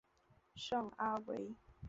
圣阿维。